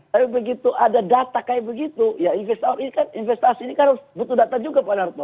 tapi begitu ada data kayak begitu ya investasi ini kan butuh data juga pak narto